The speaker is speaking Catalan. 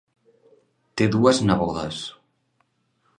Té dues nebodes.